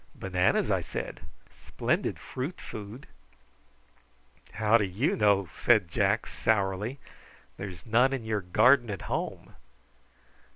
"Bananas," I said. "Splendid fruit food." "How do you know?" said Jack sourly. "There's none in your garden at home."